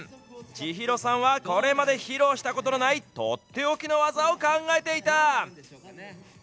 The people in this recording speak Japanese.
千尋さんはこれまで披露したことのない、取って置きの技を考えていた。